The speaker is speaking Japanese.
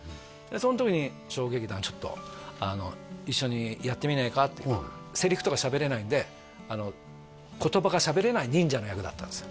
その時に小劇団ちょっと一緒にやってみないかってセリフとかしゃべれないんで言葉がしゃべれない忍者の役だったんですよ